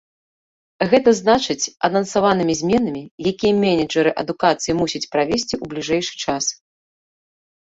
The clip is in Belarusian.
Гэта значыць, анансаванымі зменамі, якія менеджары адукацыі мусяць правесці ў бліжэйшы час.